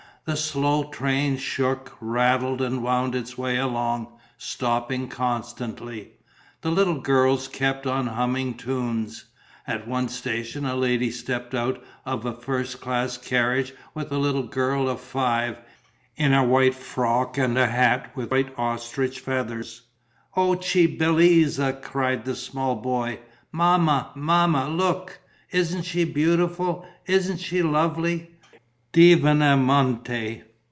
The slow train shook, rattled and wound its way along, stopping constantly. The little girls kept on humming tunes. At one station a lady stepped out of a first class carriage with a little girl of five, in a white frock and a hat with white ostrich feathers. "Oh, che bellezza!" cried the small boy. "Mamma, mamma, look! Isn't she beautiful? Isn't she lovely? Divinamente!